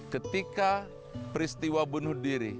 ketika peristiwa bunuh diri